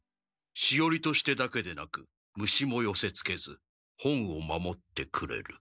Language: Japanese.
しおりとしてだけでなく虫もよせつけず本を守ってくれる。